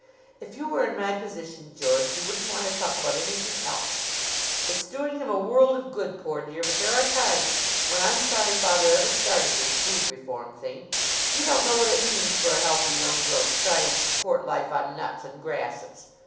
"If you were in my position, George, you wouldn't want to talk about anything else. It's doing him a world of good, poor dear; but there are times when I'm sorry Father ever started this food reform thing. You don't know what it means for a healthy young girl to try and support life on nuts and grasses."